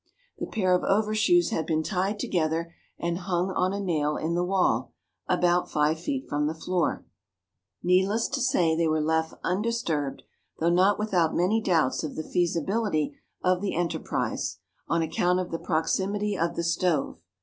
The pair of overshoes had been tied together and hung on a nail in the wall, about five feet from the floor. Needless to say they were left undisturbed, though not without many doubts of the feasibility of the enterprise, on account of the proximity of the stove.